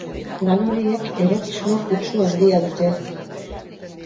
Lan horiek erotismo kutsu handia dute.